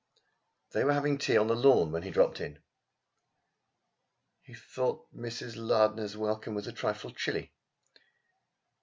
They were having tea on the lawn when he dropped in. He thought that Mrs. Lardner's welcome was a trifle chilly.